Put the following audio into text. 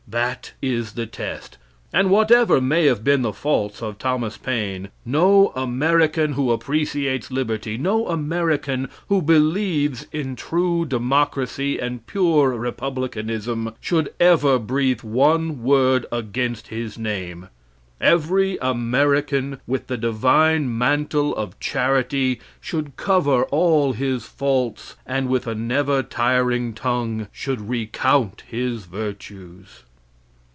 That is the test. And whatever may have been the faults of Thomas Paine, no American who appreciates liberty, no American who believes in true democracy and pure republicanism, should ever breathe one word against his name. Every American, with the divine mantle of charity, should cover all his faults, and with a never tiring tongue should recount his virtues.